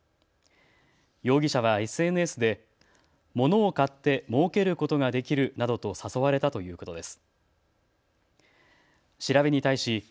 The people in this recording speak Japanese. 容疑者はＳＮＳで物を買ってもうけることができるなどと誘われたということです。